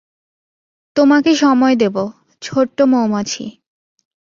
তোমাকে সময় দেব, ছোট্ট মৌমাছি।